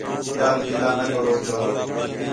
ٻِیال گِلہ نہ کرو جو